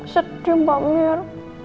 sedih mbak mir